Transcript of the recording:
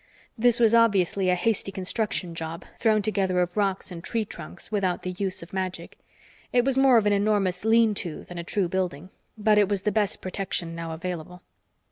This was obviously a hasty construction job, thrown together of rocks and tree trunks, without the use of magic. It was more of an enormous lean to than a true building, but it was the best protection now available.